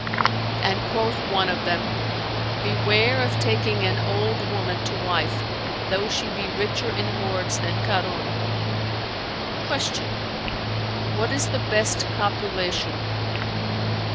And quoth one of them, 'Beware of taking an old woman to wife, though she be richer in hoards than Kαrϊn'"[FN#410] Q "What is the best copulation?"